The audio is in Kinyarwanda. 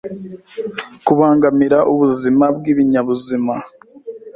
Kubangamira ubuzima bwibinyabuzima